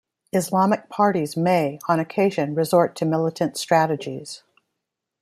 Islamic parties may, on occasion, resort to militant strategies.